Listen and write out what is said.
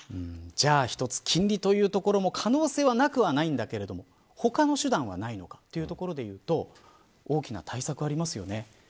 では、一つ金利というところも可能性はなくないんだけれども他の手段はないのかというところでいうと大きな対策がありますよね。